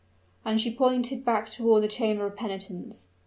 And she pointed back toward the chamber of penitence.